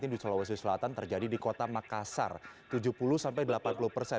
di sulawesi selatan terjadi di kota makassar tujuh puluh sampai delapan puluh persen